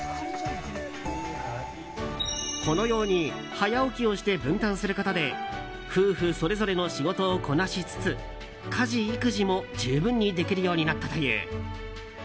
このように早起きをして分担することで夫婦それぞれの仕事をこなしつつ家事・育児も十分にできるようになったという。